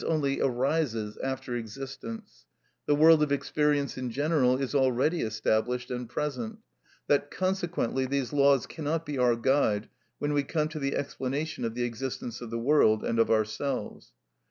_, only arises after existence; the world of experience in general is already established and present; that consequently these laws cannot be our guide when we come to the explanation of the existence of the world and of ourselves.